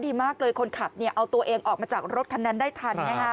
ดีมากเลยคนขับเอาตัวเองออกมาจากรถคันนั้นได้ทัน